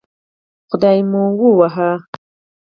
خدای مو ووهه